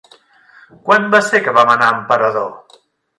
Quan va ser que vam anar a Emperador?